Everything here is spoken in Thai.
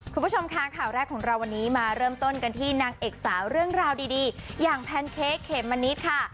คุณผู้ชมค่ะข่าวแรกของเราวันนี้มาเริ่มต้นกันที่นางเอกสาวเรื่องราวดีอย่างแพนเค้กเขมมะนิดค่ะ